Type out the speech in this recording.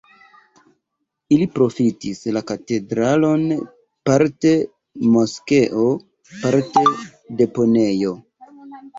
Ili profitis la katedralon parte moskeo, parte deponejo.